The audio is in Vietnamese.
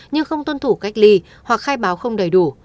nhưng không tuân thủ cách ly hoặc khai báo không đầy đủ